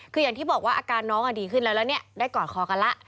คืออย่างที่บอกว่าอาการน้องดีขึ้นแล้วแล้วเนี่ยได้กอดคอกันแล้ว